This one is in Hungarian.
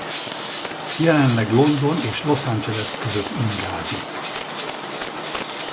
Jelenleg London és Los Angeles között ingázik.